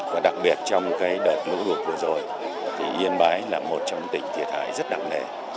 và đặc biệt trong cái đợt ngũ đục vừa rồi thì yên bái là một trong tỉnh thiệt hại rất đẳng nề